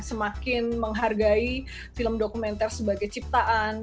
semakin menghargai film dokumenter sebagai ciptaan